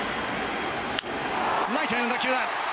ライトへの打球だ！